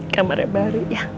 kamarnya baru ya